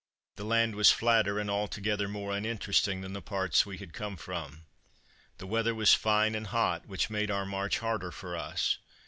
The land was flatter and altogether more uninteresting than the parts we had come from. The weather was fine and hot, which made our march harder for us.